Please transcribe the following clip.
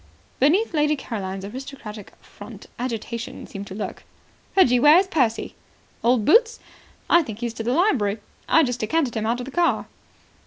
Beneath Lady Caroline's aristocratic front agitation seemed to lurk. "Reggie, where is Percy?" "Old Boots? I think he's gone to the library. I just decanted him out of the car."